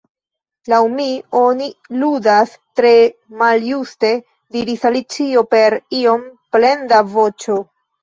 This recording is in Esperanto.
"Laŭ mi, oni ludas tre maljuste," diris Alicio per iom plenda voĉo.